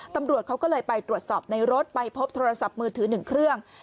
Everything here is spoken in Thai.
ตำรวจเขาก็เลยไปตรวจสอบในรถไปพบโทรศัพท์มือถือ๑เครื่อง